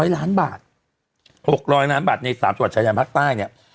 ล้านบาท๖๐๐ล้านบาทใน๓จังหวัดชายแดนภาคใต้เนี่ย